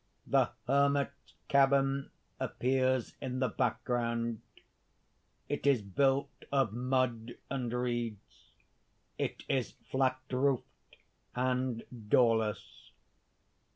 _ _The Hermit's cabin appears in the background. It is built of mud and reeds, it is flat roofed and doorless.